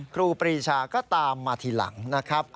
ครูปรีชาก็ตามมาทีหลังนะครับ